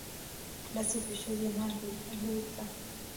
لڅي پښې زما لیدولو ته